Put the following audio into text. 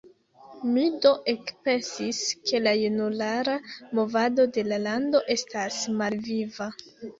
Mi do ekpensis, ke la junulara movado de la lando estas malviva.